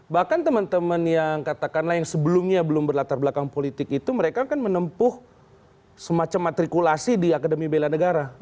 bahkan teman teman yang katakanlah yang sebelumnya belum berlatar belakang politik itu mereka kan menempuh semacam matrikulasi di akademi bela negara